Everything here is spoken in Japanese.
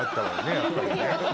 やっぱりね。